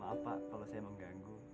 maaf pak kalau saya mengganggu